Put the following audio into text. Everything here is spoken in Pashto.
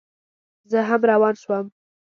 زه هم روان شوم.